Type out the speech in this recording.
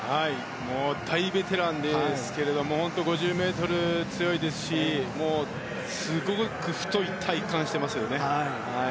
大ベテランですけど５０ｍ、強いですしすごく太い体幹をしてますね。